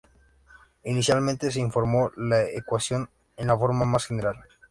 Inicialmente, se informó la ecuación en la forma más general.